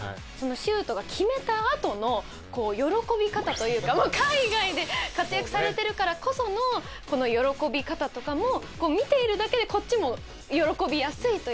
シュートが決めたあとの喜び方というか海外で活躍されてるからこそのこの喜び方とかも見ているだけでこっちも喜びやすいというか。